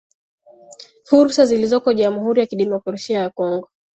fursa zilizoko jamuhuri ya kidemokrasia ya Kongo